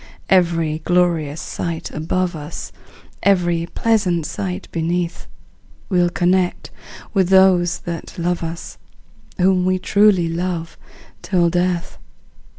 Every glorious sight above us, Every pleasant sight beneath, We'll connect with those that love us, Whom we truly love till death!